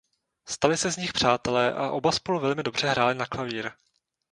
Stali se z nich přátelé a oba spolu velmi dobře hráli na klavír.